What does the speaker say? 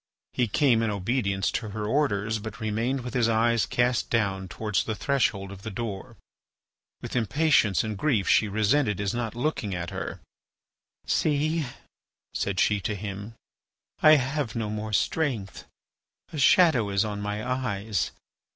He came in obedience to her orders, but remained with his eyes cast down towards the threshold of the door. With impatience and grief she resented his not looking at her. "See," said she to him, "I have no more strength, a shadow is on my eyes.